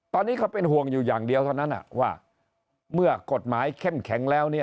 ตอนนี้เขาเป็นห่วงอยู่อย่างเดียวเท่านั้นว่าเมื่อกฎหมายเข้มแข็งแล้ว